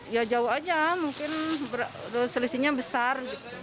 ya jauh aja mungkin selisihnya besar